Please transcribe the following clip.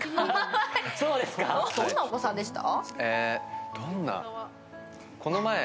どんなお子さんでした？